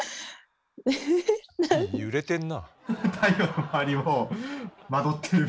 揺れてんなあ。